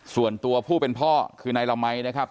ส่วนตัวผู้เป็นพ่อคือนายละมัยนะครับ